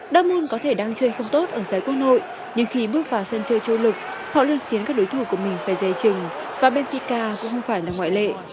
dortmund có thể đang chơi không tốt ở giới quân hội nhưng khi bước vào sân chơi châu lực họ luôn khiến các đối thủ của mình phải dè chừng và benfica cũng không phải là ngoại lệ